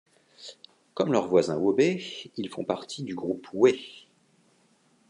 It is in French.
Comme leurs voisins Wobe, ils font partie du groupe Wé.